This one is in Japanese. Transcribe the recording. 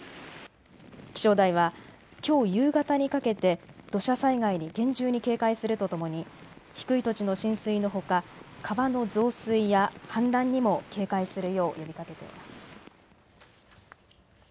気象台はきょう夕方にかけて土砂災害に厳重に警戒するとともに低い土地の浸水のほか川の増水や氾濫にも警戒するよう呼びかけています。